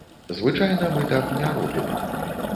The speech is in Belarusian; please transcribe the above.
Звычайна мы так не робім.